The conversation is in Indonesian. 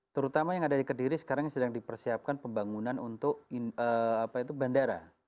terutama yang ada di kediri sekarang sedang dipersiapkan pembangunan untuk bandara